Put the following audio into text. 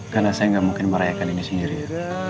karena saya gak mungkin merayakan ini sendiri ya